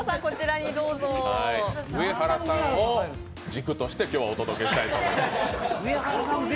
上はらさんを軸として、今日はお届けしたいと思います。